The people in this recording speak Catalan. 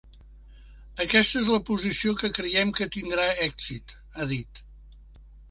Aquesta és la posició que creiem que tindrà èxit, ha dit.